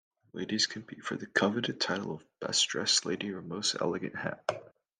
Ladies compete for the coveted title of Best Dressed Lady or Most Elegant Hat.